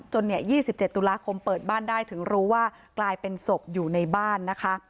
๒๗ตุลาคมเปิดบ้านได้ถึงรู้ว่ากลายเป็นศพอยู่ในบ้านนะคะ